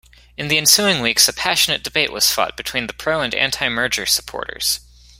In the ensuing weeks, a passionate debate was fought between pro and anti-merger supporters.